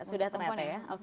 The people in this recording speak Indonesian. sudah ternyata ya